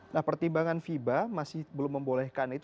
nah pertimbangan fiba masih belum membolehkan itu apa yuli